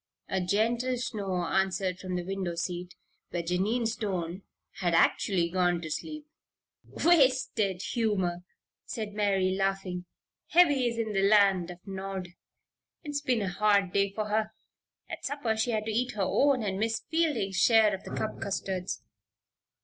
A gentle snore answered from the window seat, where Jennie Stone had actually gone to sleep. "Wasted humor," said Mary, laughing. "Heavy is in the Land of Nod. It's been a hard day for her. At supper she had to eat her own and Miss Fielding's share of the cup custards."